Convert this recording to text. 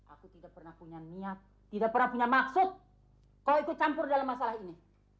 aku tidak pernah punya niat tidak pernah punya maksud kalau ikut campur dalam masalah ini